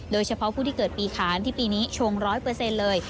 โดยเฉพาะผู้ที่เกิดปีขานที่ปีนี้ชงร้อยเปอร์เซ็นต์เลย